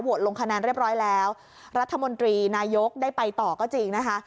ลงคะแนนเรียบร้อยแล้วรัฐมนตรีนายกได้ไปต่อก็จริงนะคะ